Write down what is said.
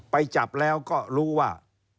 ไปจับแล้วก็รู้ว่า